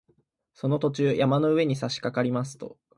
その途中、山の上にさしかかりますと